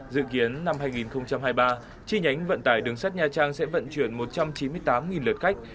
dự kiến năm hai nghìn hai mươi ba chi nhánh vận tải đường sắt nha trang sẽ vận chuyển một trăm chín mươi tám lượt khách